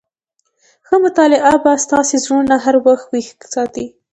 ښه مطالعه به ستاسي زړونه هر وخت ويښ ساتي.